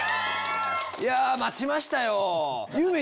いや待ちましたよ。